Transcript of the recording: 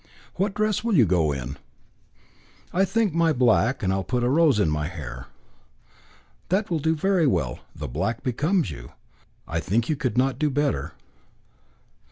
"What dress will you go in?" "I think my black, and put a rose in my hair." "That will do very well. The black becomes you. I think you could not do better."